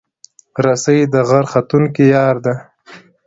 رسۍ د غر ختونکو یار ده.